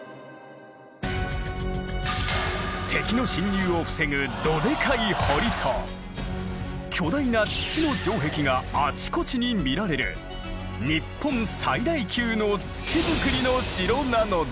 敵の侵入を防ぐどでかい堀と巨大な土の城壁があちこちに見られる日本最大級の土造りの城なのだ。